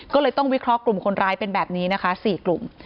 ก็เลยต้องวิเคราะห์กลุ่มคนร้ายเป็นแบบนี้นะคะ๔กลุ่ม